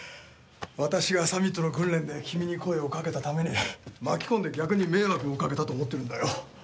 私がサミットの訓練で君に声をかけたために巻き込んで逆に迷惑をかけたと思ってるんだよ。